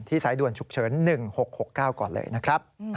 สายด่วนฉุกเฉิน๑๖๖๙ก่อนเลยนะครับ